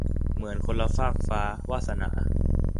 เหมือนคนละฟากฟ้า - วาสนา